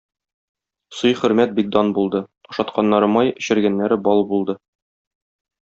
Сый-хөрмәт бик дан булды, ашатканнары май, эчергәннәре бал булды.